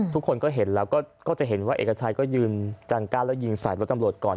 ทุกคนก็เห็นแล้วก็จะเห็นว่าเอกชัยก็ยืนจังก้านแล้วยิงใส่รถตำรวจก่อน